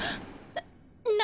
な何？